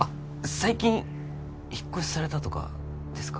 最近引っ越しされたとかですか？